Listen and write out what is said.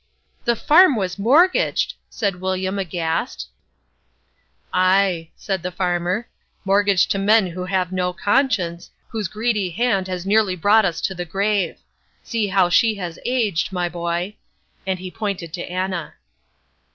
"The farm was mortgaged!" said William, aghast. "Ay," said the farmer, "mortgaged to men who have no conscience, whose greedy hand has nearly brought us to the grave. See how she has aged, my boy," and he pointed to Anna.